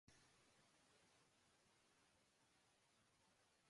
اور انھیں خیروشر کے ترک و اختیار کی پوری آزادی حاصل ہے